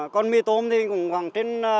còn mì tôm thì cũng khoảng trên